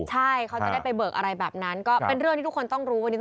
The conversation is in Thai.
ใช่เขาจะได้ไปเบิกอะไรแบบนั้นก็เป็นเรื่องที่ทุกคนต้องรู้วันนี้